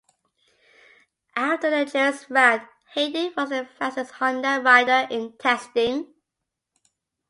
After the Jerez round, Hayden was the fastest Honda rider in testing.